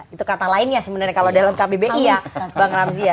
itu kata lainnya sebenarnya kalau dalam kbbi ya bang ramzi ya